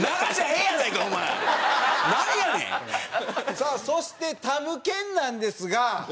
さあそしてたむけんなんですが。